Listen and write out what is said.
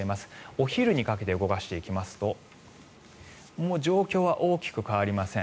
お昼にかけて動かしていきますともう状況は大きく変わりません。